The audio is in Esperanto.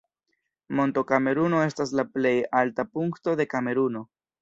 Monto Kameruno estas la plej alta punkto de Kameruno.